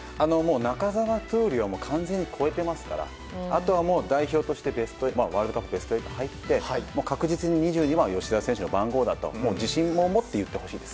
中澤、闘莉王は完全に超えていますからあとは、代表としてワールドカップベスト８に入って２２番は吉田選手の番号だと自信を持って言ってほしいです。